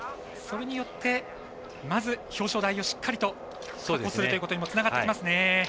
それによってまず表彰台をしっかりと確保するということにもつながってきますね。